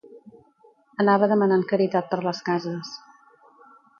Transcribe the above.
Anava demanant caritat per les cases.